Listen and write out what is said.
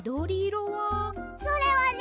それはね